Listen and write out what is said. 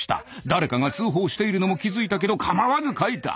誰かが通報しているのも気付いたけど構わず書いた。